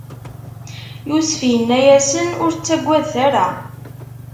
Yusef inna-yasen: Ur ttagadet ara!